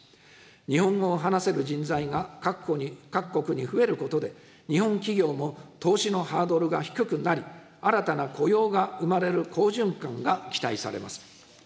日本語を話せる人材が各国に増えることで、日本企業も投資のハードルが低くなり、新たな雇用が生まれる好循環が期待されます。